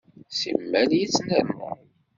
Simmal yettnernay.